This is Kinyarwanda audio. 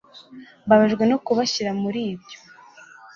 Mbabajwe no kubashyira muri ibyo